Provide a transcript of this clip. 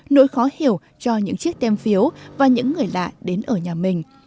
nỗi khó hiểu cho những chiếc tem phiếu và những người lạ đến ở nhà mình